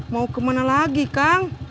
mau kemana lagi kang